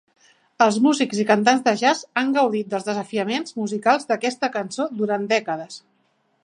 Els músics i cantants de jazz han gaudit dels desafiaments musicals d'aquesta cançó durant dècades.